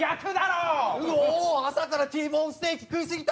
うお朝からＴボーンステーキ食い過ぎた。